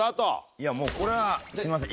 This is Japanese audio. いやもうこれはすいません